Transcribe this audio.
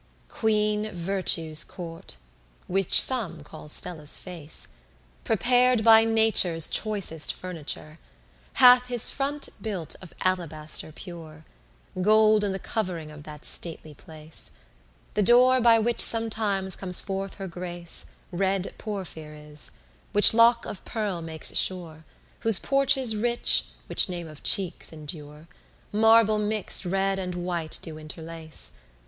9 Queen Virtue's court, which some call Stella's face, Prepar'd by Nature's choicest furniture, Hath his front built of alabaster pure; Gold in the covering of that stately place. The door by which sometimes comes forth her Grace Red porphir is, which lock of pearl makes sure, Whose porches rich (which name of cheeks endure) Marble mix'd red and white do interlace.